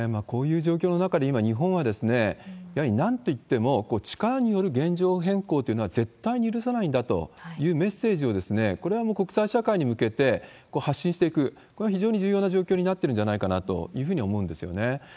こういう状況の中で、今、日本はやはりなんといっても力による現状変更というのは絶対に許さないんだというメッセージを、これはもう国際社会に向けて発信していく、これは非常に重要な状況になってるんじゃないかなというふうに思うんですよね。